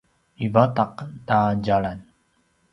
ivadaq ta djalan